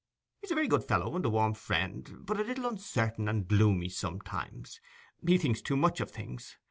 He's a very good fellow, and a warm friend, but a little uncertain and gloomy sometimes; he thinks too much of things.